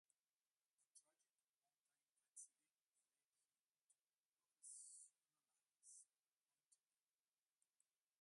A tragic mountain accident led him to professionalize mountaineering.